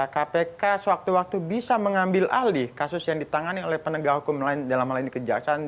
kpk sewaktu waktu bisa mengambil alih kasus yang ditangani oleh penegak hukum lain dalam hal ini kejaksaan